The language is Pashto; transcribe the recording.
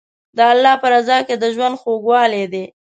د الله په رضا کې د ژوند خوږوالی دی.